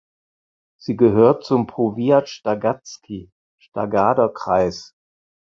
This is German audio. Sie gehört zum Powiat Stargardzki "(Stargarder Kreis)".